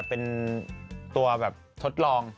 เป็นตัวแบบทดลอง